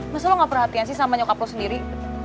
mas lo gak perhatian sih sama nyokap lo sendiri